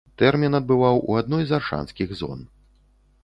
Тэрмін адбываў у адной з аршанскіх зон.